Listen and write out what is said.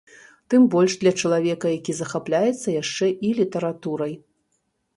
Тым больш для чалавека, які захапляецца яшчэ і літаратурай.